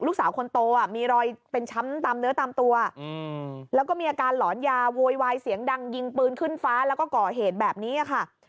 ลูกสาวคนโตมีรอยเป็นช้ำตามเนื้อตามตัวแล้วก็มีอาการหลอนยาโวยวายเสียงดังยิงปืนขึ้นฟ้าแล้วก็ก่อเหตุแบบนี้ค่ะ